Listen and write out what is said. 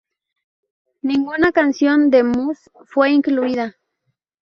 Ninguna canción de "Muse" fue incluida.